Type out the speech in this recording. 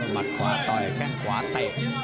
มัดขวาต่อยแข้งขวาเตะ